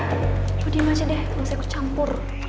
coba diam aja deh gak usah aku campur